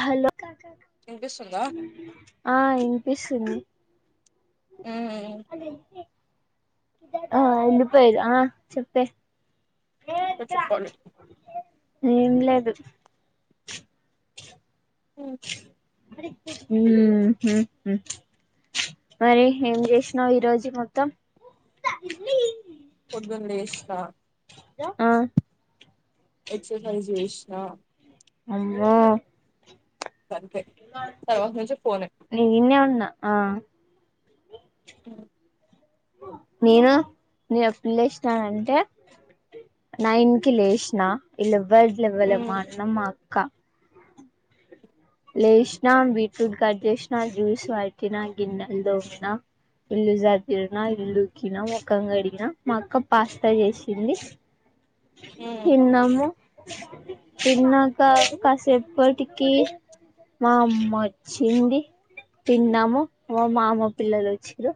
Hello వినిపిస్తుందా ఆ వినిపిస్తుంది ఆ ఆ ఉండిపోయ్రు ఆ చెప్పే నువ్ చెప్పాలి ఏం లేదు హ హ్మ్ హ్మ్మ్ మరి ఏం చేసిన్వ్ ఈ రోజు మొత్తం పొందిన్లేస్నా ఆ ఎక్ససైజ్ చేస్నా అయ్యో అంతే తర్వాత నుంచి ఫోనే లీవింగే ఉన్న ఆ అ నేనా నేను ఎప్పులేసినంటే నైన్కి లేష్నా ఎవ్వరు లెవ్వాలె మా అన్న మా అక్క లేష్న బీట్రూట్ కట్ చేస్న జ్యూస్ పటినా గిన్నెలు తోమిన ఇల్లు సదినా ఇల్లు ఊడ్చిన మొహం కడిగిన మా అక్క పాస్తా చేసింది ఉమ్ తిన్నాము తిన్నాక కాసేపటికి మామ్మా వచ్చింది తిన్నాము మా మామ పిల్లలు వచ్చిన్రు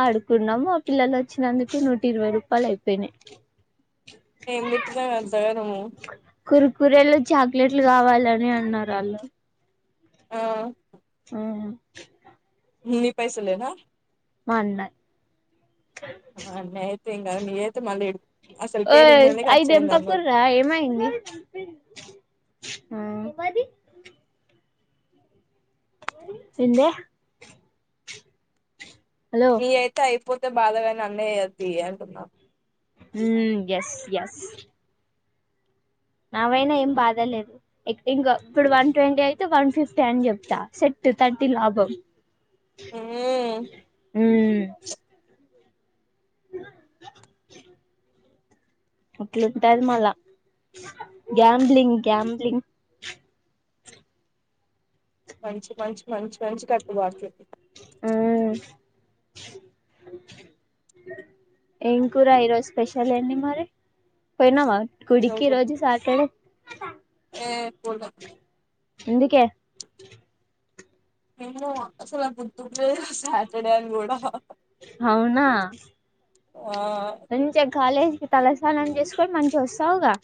ఆ ఆడుకున్నాము మా పిల్లలు వచ్చినందుకు నూటి ఇరవై రూపాయలు అయిపోయినై ఏం పెట్టినవు అంతగదము కుర్కుకురెలు చాక్లెట్లు కావాలని అన్నారు వాళ్ళు ఆ ఆ నీ పైసలేనా మా అన్న అన్నీ అయితే ఏంకాదు నిఅయితే మళ్ళీ అసలుకే ఓయ్ నిన్ననే అయ్ ఖర్చు అయింది అన్నావ్ దిప్పకుర్రా ఏమైంది ఆ ఏందే హలో నీ అయితే ఐపోతే బాధగాని అన్నయ్య తీ అంటున్నా హ ఎస్ ఎస్ అవైన ఏం బాధ లేదు ఇంకా ఇప్పుడు వన్ ట్వంటీ వన్ ఫిఫ్టీ అని చెప్తా సెట్ థర్టీ లాభం ఉమ్ హమ్ అట్లుంటది మళ్ళా గ్యాంబ్లింగ్ గ్యాంబ్లింగ్ మంచి మంచి మంచి మంచి కట్టుబాట్లు ఆ ఏం కూర ఈరోజు స్పెషల్ ఏంది మరి పోయ్నవా గుడికి ఈ రోజు సాటర్డే ఏ పో [unintelligible] ఎందుకే నిన్ను అసల గుర్తులేదు సాటర్డే అని కూడా అవునా ఆ మంచిగ కాలేజ్కి తలస్నానం చేస్కొన్ మంచిగ్ వస్తావుగా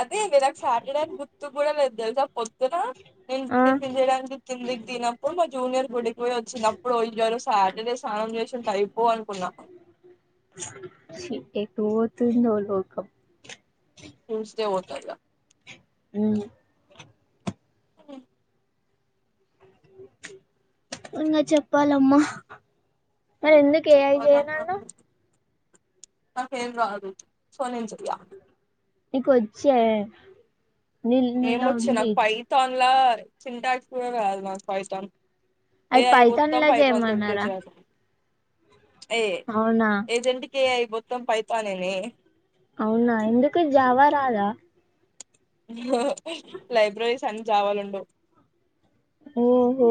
అదే మీ నాక్ సాటర్డే అని గుర్తు కూడా లేద్ తెల్సా పొద్దున నేన్ ఆ టిఫిన్ చేయడానికి కిందిక్ దిగిప్పుడు మా జూనియర్ గుడికి పోయి వచ్చినప్పుడు ఇయ్యల సాటర్డే స్నానం చేసుంటే అయిపోవ్ అనుకున్నా. ఛీ, ఎటు పోతుందో లోకం ట్యూస్డే పోతా ఇగ అవున హ్ ఇంగ చెప్పాలమ్మా మరెందుక్ ఏఐ చెప్పాలమ్మా చేయనన్నవ్ నాకేం రాదు సో నేన్ జెయ్య. నీకొచ్చే ఏమొచ్చే నాక్ పైథాన్లా చింటాక్స్ కూడా రాదు నాకు పైథాన్ అది ఏఐ పైథాన్ మొత్తం లో ఫైతాన్ తోటే చేయమన్నారా చేయాలి. ఏ అవునా ఏజెంట్క్ ఏఐ మొత్తం పైథానేనే అవునా ఎందుకు జావా రాదా? నో లైబ్రరీస్ అన్ని జావాలుండవ్ ఓహో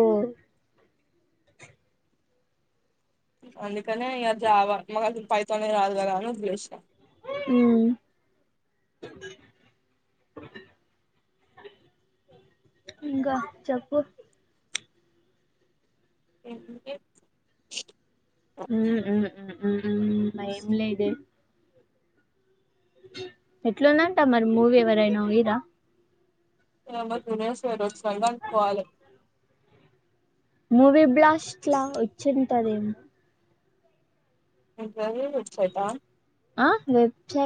అందుకనే ఇగ జావ మాక్ అసల్ పైథానే రాదు గదా అన్ వద్లేసినం. హ్మ్ ఇంకా చెప్పు ఏమిటి భయం లేదే ఎట్లుందంట మరి మూవీ ఎవరైనా పోయింన్ర ఇగ మా జూనియర్స్ [unintelligible] కాలే మూవీ బ్లాస్ట్లా వచ్చింటదేం ఏంటది? వెబ్సైటా ఆ వెబ్ సై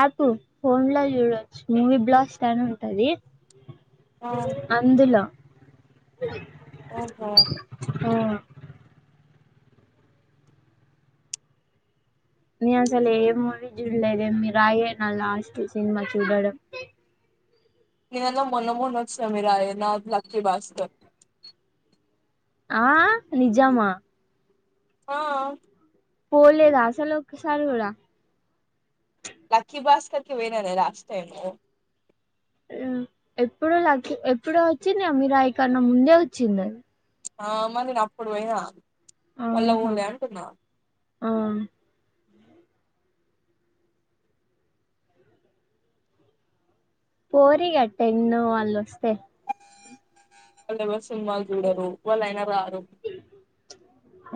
అప్ ఫోన్లో చూడచ్చు మూవీ బ్లాస్టన్ ఉంటది ఆ అందులో ఓహో ఆ నే అసల్ ఏ మూవీ జూడ్లేదే మిరాయే నా లాస్ట్ సినిమా చూడడం గిదేదో మొన్న మొన్న వచ్చిన మిరాయే నాట్ లక్కీ భాస్కర్ ఆ నిజమా? ఆ పోలేద అసల్ ఒక సార్ గుడా లక్కీ భాస్కర్కి పోయిననే లాస్ట్ టైము మ్ ఎప్పుడో లక్కీ ఎప్పుడో వచ్చిందిగ మిరాయి కన్నా ముందే వచ్చిందది ఆ మర్ నేన్ అప్పుడు పొయినా మళ్ళ ఆహా పోలే అంటున్న ఆ పోరి ఆ టెన్ వాళ్ళొస్తే వాళ్లెవర్ సినిమాల్ జూడరు వాళ్ళైన రారు.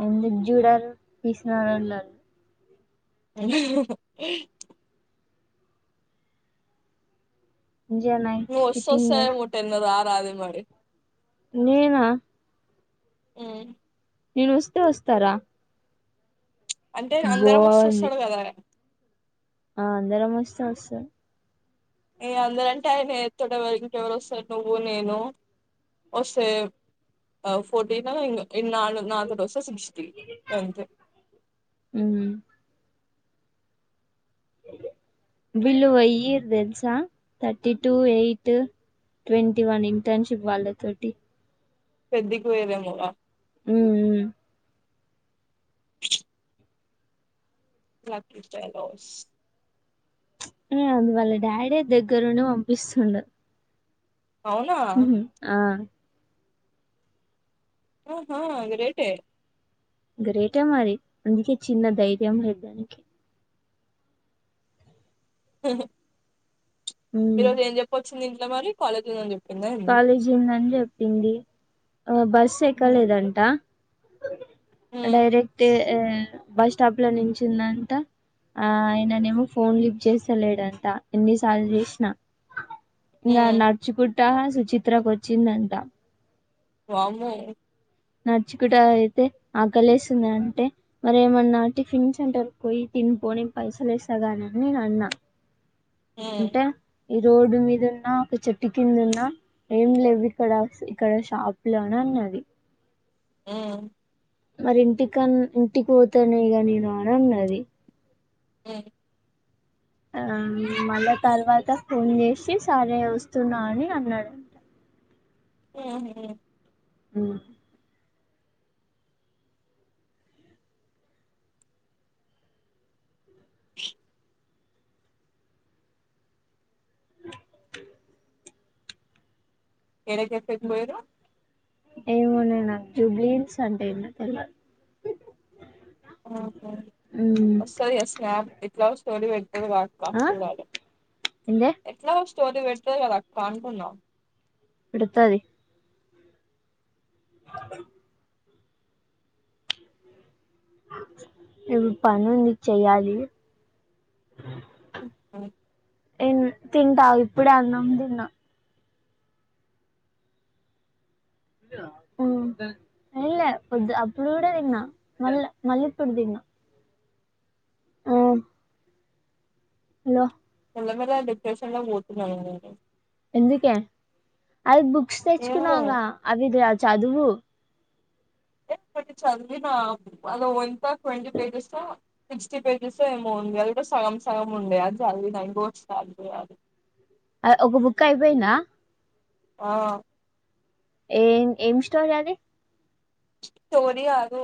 ఎందుక్ జూడారు పీసినారోళ్ళ జ నైట్ నువ్ వస్త సిట్టింగ్ వస్త అనే చేస్ ముట్టె నువ్ ఆ రా రాదే మరి నేనా ఉ నేను వస్తే వస్తారా అంటే అందరం వస్త బాగుంది వస్తాడు కదా ఆ అందరం వస్తే వస్తా ఈ అందరంటే ఆయన ఎ తోడవళ ఇంకెవరు వస్తారు నువ్వు నేను వస్తే ఫోర్టీనా ఇంగ నాలు వస్ సిక్స్టీ గంతే మ్మ్ వీళ్ళు ఏయిరు తెల్సా thirty two eight twenty one internship వాళ్ళ తోటి పెద్దికి పోఏదేమురా ఉ ఉ టలవస్ ఆ అందువల్ల డాడే దగ్గరుండి పంపిస్తుండు అవునా ఉహు ఆ ఆహా అ రేటే గ్రేటే మారి అందుకే చిన్న ధైర్యమ ఇదనికి హహ ఈ ఉమ్ రోజు ఏం చెప్పొచ్చి ఇంట్లో మరి కాలేజ్ లేద్ కాలేజ్ ఉందని చెప్పింది ఆ బస్ హ్మ్ ఎక్కలేదంట హ్మ్ డైరెక్ట్ బస్ స్టాప్ లో నుంచిందంట ఆ ఆయననేమో ఫోన్ లిప్ చేస్తలేడంతా ఎన్నిసార్లు జేసిన ఇంగ హ్మ్ నడుచుకుంటా సుచిత్రకు వచ్చిందంత వామ్మో నచ్చుకుడా అయితే ఆకలేస్తుంది అంటే మరి ఏమన్నా టిఫిన్ సెంటర్ పోయి ఇన్ పోనీ పైసలేస్తాగాని నేను అన్నా ఉ అంటే ఈ రోడ్ మీద ఉన్నా ఒక చెట్టు కింద ఉన్నా ఏం లేవు ఇక్కడ ఇక్కడ షాప్ లోన అన్నది ఉ మరి ఇంటికిన్ ఇంటికి పోతాను ఇగా నేను నానన్నది ఉ ఆ మళ్ళా తర్వాత ఫోన్ చేసి సరే వస్తున్నా అని అన్నాడు ఆ ఉ ఎరకసక్ పోయరు ఏమున్నాయి నాకు జూబ్లిన్స్ అంటే ఏ తరువా ఒకసారి ఎస్ మ్యామ్ ఎట్లా స్టోరి పెట్ అకా ఆ చూడాలె ఏందే ఎట్లా వం సోది పెడతాది కదా అక్క అంటున్నా పెడతాది ఇవి పని ఉంది చెయ్యాలి ఉహు తింట ఇప్పుడే అన్నం తిన్న ఉమ్ తిన్లే పొద్దు అప్పుడు కూడ దిన్న మళ్ల మళ్ళీ ఇప్పుడు దిన్న ఊమ్ హలో లేమర డిప్రెషన్ల పోతున్నదండీ అందుకే అది బుక్స్ ఏమో తెచ్చుకున్నాంగ అవి చదువు అంటే ఒకటి చదివిన అద్ ఒ ఇంపార్టెంట్ ట్వంటీ పేజెస్ ఓ సిక్స్టీ పేజెస్ ఏమో ఉంది అది కూడ సద్విన [inaudible] సగం సగం ఉండే అది చదివిన ఇంకో చాలు [inaudible] అ ఒక బుక్ అయిపోయిందా ఆ ఏం ఏం స్టోరి అది స్టోరీ కాదు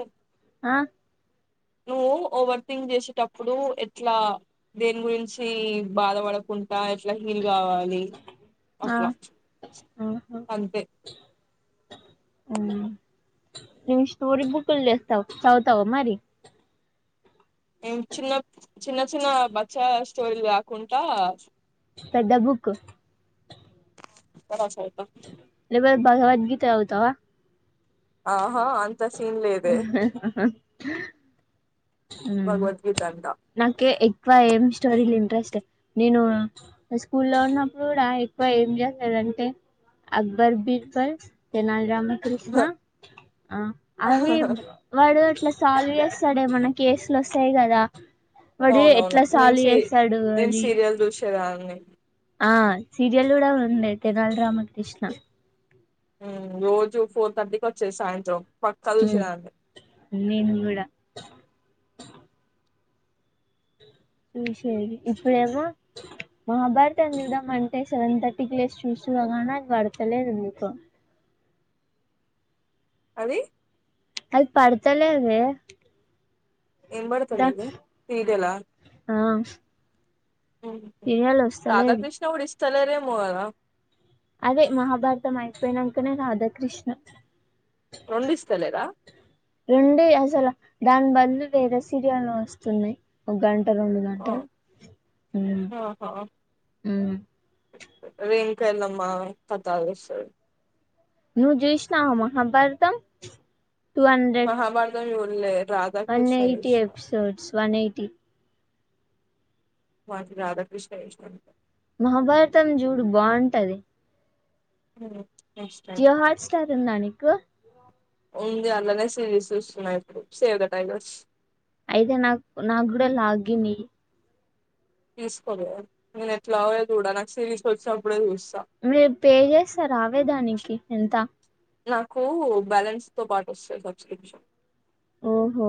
ఆ నువ్వు ఓవర్ థింక్ చేసేటప్పుడు ఎట్ల దేని గురించి బాధపడకుంట ఆ ఎట్ల ఫీల్ కావాలి ఆ అట్ల అంతే ఊమ్ నేను స్టోరీ బుక్కులు తెస్త చదువుతవ మరి ఏం చిన్న చిన్న చిన్న బచ్చా స్టోరీలు కాకుంటా పెద్ద బుక్కు పనసోత [unintelligible] నువు భగవద్గీత చదువుతవ ఆహా అంత సీన్ లేదే ఉమ్ భగవద్గీత అంట నాకే ఎక్కువ ఏం స్టోరీలు ఇంట్రెస్ట్ నేను స్కూల్లో ఉన్నప్పుడు కూడ ఎక్కువ ఏం చేసేదంటే అక్బర్ బీర్బల్ తెనాలి రామ కృష్ణ ఆ అవి వాడు అట్ల సాల్వ్ చేస్తడే మనకి కేసులు ఒస్తయి కద వాడు అవునవును ఎట్ల నేను సాల్వ్ సి చేస్తడు నేను అని సీరియల్ చూసేదాన్ని ఆ సీరియల్ కూడ ఉండె తెనాలి రామకృష్ణ ఉమ్ రోజు ఫోర్ థర్టీకి ఒచ్చేది సాయంత్రం పక్క ఋషి ఉమ్, దాంట్లో నేను కూడా చూసేది ఇప్పుడు ఏమో మహాభారతం చూద్దాం అంటె సెవెన్ థర్టీకి లేస్ చూసుగానే అది పడతలేదు ఎందుకో అవి అది పడుతలేదె ఏం పడతాలేదే సీరియల్ ఆ టీవీలో ఒస్తలేదు స్తలేరేమో కద అదే మహాభారతం అయిపోయినంకనే రాధాకృష్ణ రెండు ఇస్తలేరా రెండె అసల దాని బదులు వేరే సీరియల్ వస్తుంది ఒక గంట రెండు ఆ, గంటల్ ఉమ్ ఆహా ఉమ్ రింకాలమ్మా పత్తలిస్తాడు. నువ్వు చూసినావా మహాభారతం. టూ హండ్రెడ్ మహాభారతం చూడలే. వన్ రాధాకృష్ణ ఎయిటీ చూసిన ఎపిసోడ్స్ వన్ ఎయిటీ. మాజ రాధాకృష్ణ చుసినం. మహాభారతం చూడు బాగుంటది. ఉమ్. జియో హాట్ స్టార్ ఉందా నీకు. ఉంది అల్లానే సిరీస్ చూస్తున్నా ఇప్పుడు సేవ్ ద టైగర్స్. అయితే నాకు నాకు కూడా లాగిన్యి తీసుకోవే నేను ఎట్లాగో చూడాను నాకు సిరిస్ వచ్చినప్పుడే చూస్తా. మీరు పే చేస్తారావే దానికి ఇంత. నాకు బ్యాలెన్స్ తో పాటు వస్తది సబ్స్క్రిప్షన్. ఓహో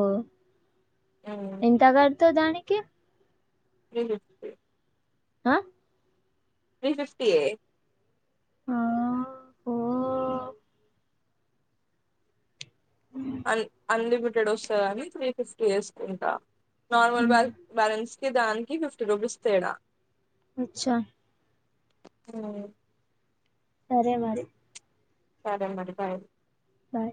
ఎంత గడుతవు దానికి. ఉమ్ ఆహ్. ఆహ్. త్రీ ఫిఫ్టీ ఏ. ఆహ్ ఓ. అన్లిమిటెడ్ వస్తుందాని త్రీ ఫిఫ్టీ వేసుకుంటా. నార్మల్ ఉమ్ బల్ బ్యాలెన్స్కి దానికి ఫిఫ్టీ రూపీస్ తేడా. అచ్చా. ఆహ్. సరే మరి. సరే మరి బాయ్. సరే.